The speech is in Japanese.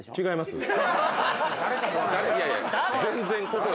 違います